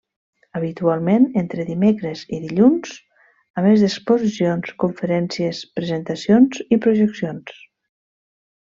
Habitualment entre dimecres i dilluns, a més d'exposicions, conferències, presentacions i projeccions.